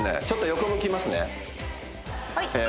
ちょっと横向きますねはい